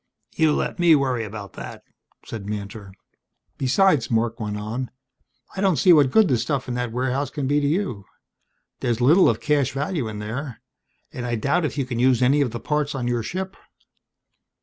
"You let me worry about that," said Mantor. "Besides," Marc went on, "I don't see what good the stuff in that warehouse can be to you. There's little of cash value in there. And I doubt if you can use any of the parts on your ship."